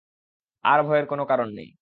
আর ভয়ের কোন কারণ নাই।